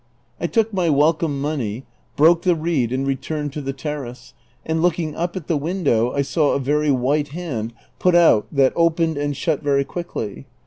I took my welcome money, broke the reed, and returned to the terrace, and looking up at the window, I saw a very white hand put out that opened and shut very quickly.